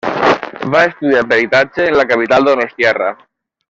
Va estudiar peritatge en la capital donostiarra.